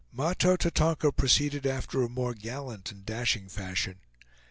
Mahto Tatonka proceeded after a more gallant and dashing fashion.